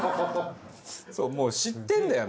もう知ってるんだよな。